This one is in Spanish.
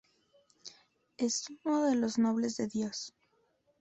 Es uno de los nobles de Dios.